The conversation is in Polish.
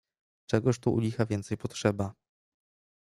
"Czegóż tu, u licha, więcej potrzeba?"